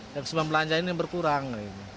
yang sebelum belanja ini berkurang